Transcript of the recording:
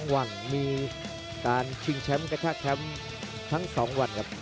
หวังมีการชิงแชมป์กระชากแชมป์ทั้ง๒วันครับ